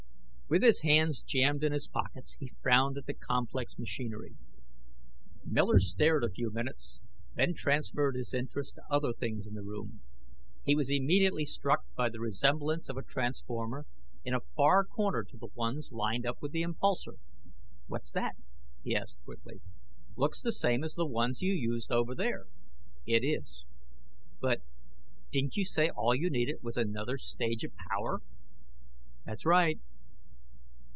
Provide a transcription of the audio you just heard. With his hands jammed in his pockets, he frowned at the complex machinery. Miller stared a few moments; then transferred his interests to other things in the room. He was immediately struck by the resemblance of a transformer in a far corner to the ones linked up with the impulsor. "What's that?" he asked quickly. "Looks the same as the ones you used over there." "It is." "But Didn't you say all you needed was another stage of power?" "That's right."